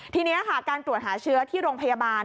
ทีนี้ค่ะการตรวจหาเชื้อที่โรงพยาบาล